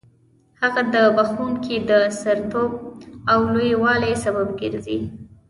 هغه د بخښونکي د سترتوب او لوی والي سبب ګرځي.